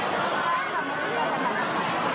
คุณผู้สามารถได้คิดคุณผู้สามารถได้คิด